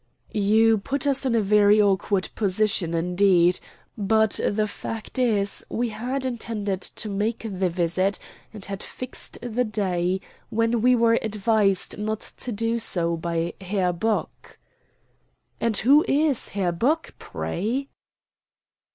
"You put us in a very awkward position, indeed, but the fact is we had intended to make the visit, and had fixed the day, when we were advised not to do so by Herr Bock." "And who is Herr Bock, pray?"